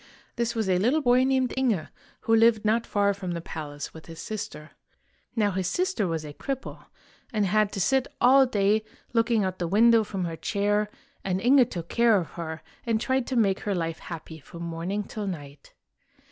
This was a little boy named Inge, who lived not far from the palace with his sister. Now his sister was a cripple, and had to sit all day looking out of the window from her chair; and Inge took care of her, and tried to make her life happy from morning till night.